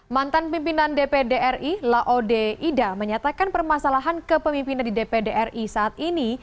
mantan pimpinan dpd ri laode ida menyatakan permasalahan kepemimpinan di dpd ri saat ini